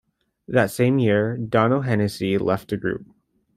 That same year, Donogh Hennessy left the group.